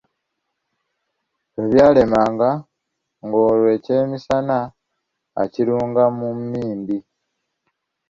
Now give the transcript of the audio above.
Lwebyalemanga ng'olwo ekyemisana akirunga mu mmindi!